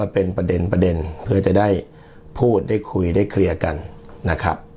เป็นประเด็นประเด็นเพื่อจะได้พูดได้คุยได้เคลียร์กันนะครับ